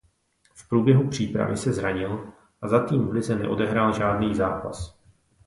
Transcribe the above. V průběhu přípravy se zranil a za tým v lize neodehrál žádný zápas.